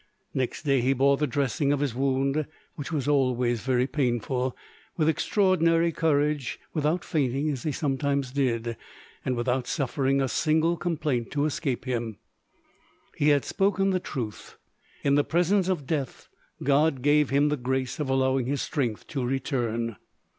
Next day he bore the dressing of his wound, which was always very painful, with extraordinary courage, without fainting, as he sometimes did, and without suffering a single complaint to escape him: he had spoken the truth; in the presence of death God gave him the grace of allowing his strength to return.